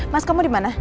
mas kamu dimana